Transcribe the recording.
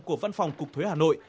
của văn phòng cục thuế hà nội